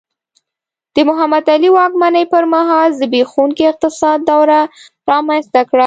د محمد علي واکمنۍ پر مهال زبېښونکي اقتصاد دوره رامنځته کړه.